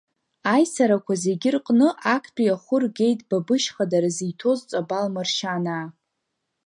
Аисарақәа зегьы рҟны актәи ахәы ргеит Бабышь хадара зиҭоз Ҵабал маршьанаа.